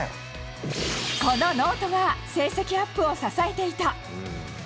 このノートが成績アップを支えていた。